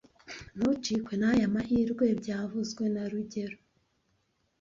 Ntucikwe naya mahirwe byavuzwe na rugero